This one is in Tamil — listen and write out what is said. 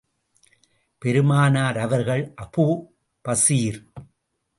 பெருமானார் அவர்கள், அபூ பஸீர்!